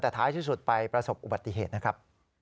แต่ท้ายที่สุดไปประสบอุบัติเหตุนะครับ